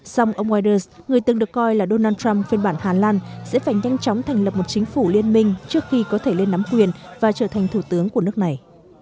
song ông widers người từng được coi là donald trump phiên bản hà lan sẽ phải nhanh chóng thành lập một chính phủ liên minh trước khi có thể lên nắm quyền và trở thành thủ tướng của nước này